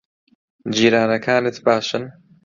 جیرانەکانت باشن؟